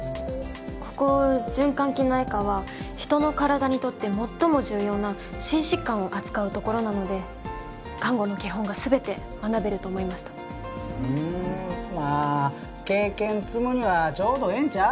ここ循環器内科は人の体にとって最も重要な心疾患を扱うところなので看護の基本が全て学べると思いましたまあ経験積むにはちょうどええんちゃう？